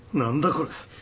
これ！